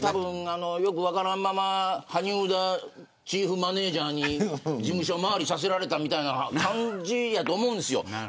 よく分からんまま萩生田チーフマネージャーに事務所回りさせられたみたいな感じだと思うんですよ。